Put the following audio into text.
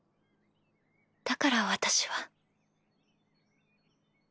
だから私は。